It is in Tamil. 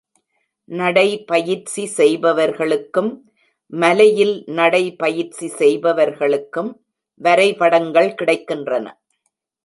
நடைபயிற்சி செய்பவர்களுக்கும் மலையில் நடைபயிற்சி செய்பவர்களுக்கும் வரைபடங்கள் கிடைக்கின்றன.